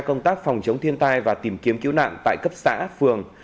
công tác phòng chống thiên tai và tìm kiếm cứu nạn tại cấp xã phường